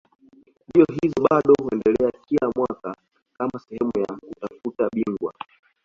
Mbio hizi bado huendelea kila mwaka kama sehemu ya kutafuta bingwa